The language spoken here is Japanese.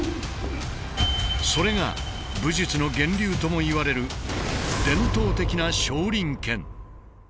それが武術の源流ともいわれる伝統的な少林拳。